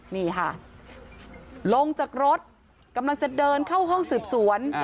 นี่ค่ะลงจากรถกำลังจะเดินเข้าห้องสืบสวน